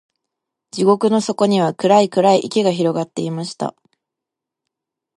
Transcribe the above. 地獄の底には、暗い暗い池が広がっていました。